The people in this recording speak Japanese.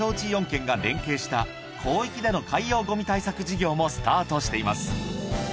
４県が連携した広域での海洋ゴミ対策事業もスタートしています